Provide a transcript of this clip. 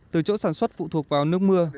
từ chỗ sản xuất phụ thuộc vào nước mưa